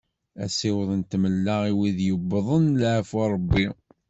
Asiweḍ n tmella i wid yewwḍen leɛfu n Rebbi.